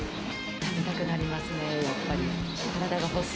食べたくなりますね、やっぱり。